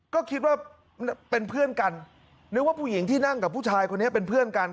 ก็คิดว่าเป็นเพื่อนกันนึกว่าผู้หญิงที่นั่งกับผู้ชายคนนี้เป็นเพื่อนกัน